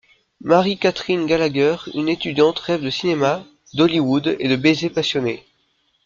Mary Katherine Gallager, une étudiante, rêve de cinema, d'Hollywood et de baisers passionnés.